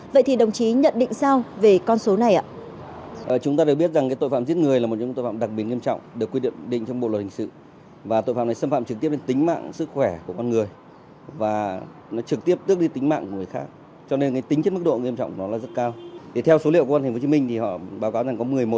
vậy thì đồng chí nhận định sao về con số này ạ